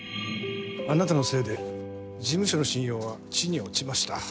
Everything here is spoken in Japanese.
あなたのせいで事務所の信用は地に落ちました。